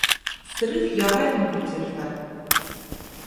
Срыв яһайһың бит, Зөлфәр!